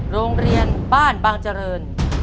โรงเรียนบ้านบางเจริญ